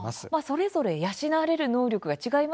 それぞれ養われる能力が違いますからね。